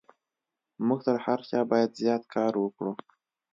موږ تر هر چا بايد زيات کار وکړو.